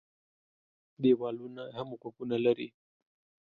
ديوالونه هم غوږونه لري.